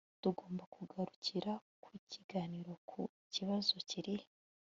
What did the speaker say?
tugomba kugarukira ku kiganiro ku kibazo kiri